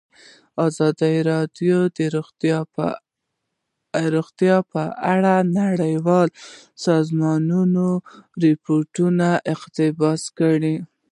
ازادي راډیو د روغتیا په اړه د نړیوالو سازمانونو راپورونه اقتباس کړي.